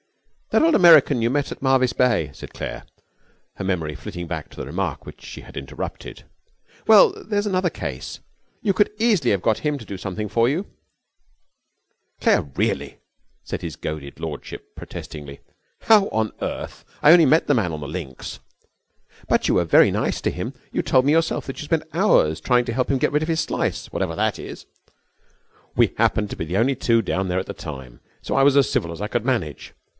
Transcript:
'That old American you met at Marvis Bay,' said Claire, her memory flitting back to the remark which she had interrupted; 'well, there's another case. You could easily have got him to do something for you.' 'Claire, really!' said his goaded lordship, protestingly. 'How on earth? I only met the man on the links.' 'But you were very nice to him. You told me yourself that you spent hours helping him to get rid of his slice, whatever that is.' 'We happened to be the only two down there at the time, so I was as civil as I could manage.